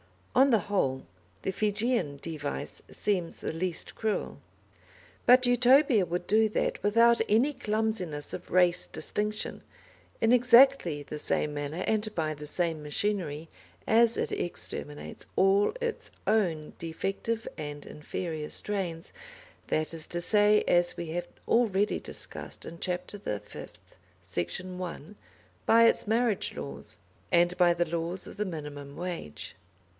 On the whole, the Fijian device seems the least cruel. But Utopia would do that without any clumsiness of race distinction, in exactly the same manner, and by the same machinery, as it exterminates all its own defective and inferior strains; that is to say, as we have already discussed in Chapter the Fifth, section 1, by its marriage laws, and by the laws of the minimum wage.